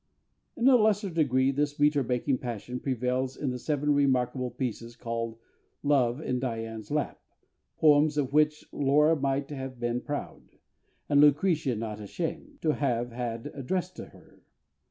In a lesser degree this metre making passion prevails in the seven remarkable pieces called Love in Dian's Lap, poems of which LAURA might have been proud, and LUCRETIA not ashamed, to have had addressed to her.